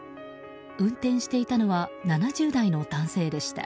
運転していたのは７０代の男性でした。